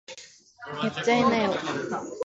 やっちゃいなよ